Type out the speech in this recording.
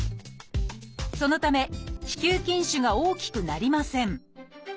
そのため子宮筋腫が大きくなりません